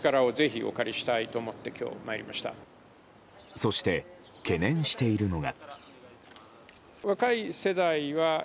そして、懸念しているのが。